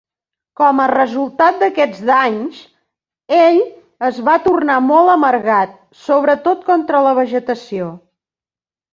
Com a resultat d'aquests danys, ell es va tornar mol amargat, sobretot contra la vegetació.